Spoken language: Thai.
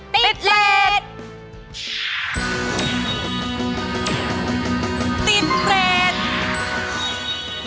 ติดเรจ